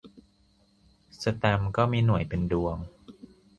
แสตมป์ก็มีหน่วยเป็นดวง